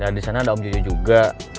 nah disana ada om jojo juga